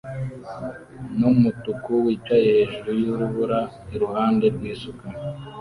n'umutuku wicaye hejuru y'urubura iruhande rw'isuka